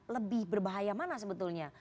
lebih berbahaya mana sebetulnya